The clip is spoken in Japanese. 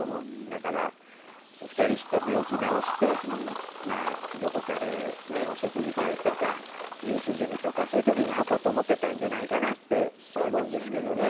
だから２人して病気治してまあどこかでねお食事会とか夕涼みとかそういう時に履こうと思ってたんじゃないかなって思うんですけどね。